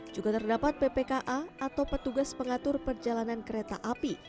juga terdapat ppka atau petugas pengatur perjalanan kereta api